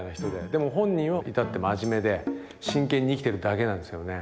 でも本人は至って真面目で真剣に生きてるだけなんですよね。